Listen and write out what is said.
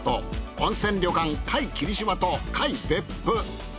温泉旅館界霧島と界別府。